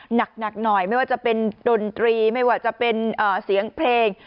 หนักหน่อยไม่ว่าจะเป็นดนตรีไม่ว่าจะเป็นเสียงเพลง